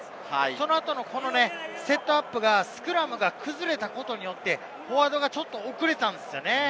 その後のセットアップがスクラムが崩れたことによって、フォワードがちょっと遅れたんですよね。